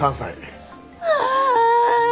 ああ！